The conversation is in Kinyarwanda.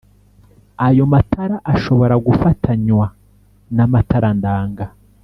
Ayo matara ashobora gufatanywa n'amatara ndanga